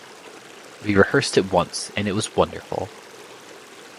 We rehearsed it once and it was wonderful.